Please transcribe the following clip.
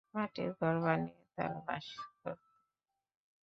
মাটির ঘর বানিয়ে তারা বাস করত।